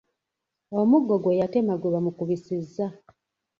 Omuggo gwe yatema gwe bamukubisizza.